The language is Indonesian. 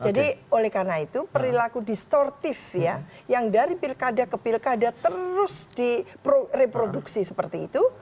jadi oleh karena itu perilaku distortif ya yang dari pilkada ke pilkada terus direproduksi seperti itu